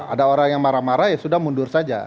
ada orang yang marah marah ya sudah mundur saja